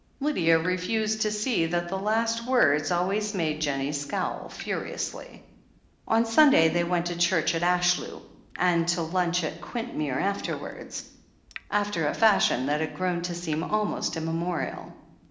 Lydia refused to see that the last words always made Jennie scowl furiously. On Sunday they went to church at Ashlew, and to Itmch at Quintmere afterwards, after a fashion that had grown to seem almost immemorial.